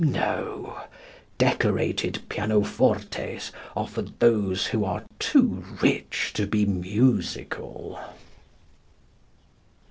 No decorated pianofortes are for those who are too rich to be musical.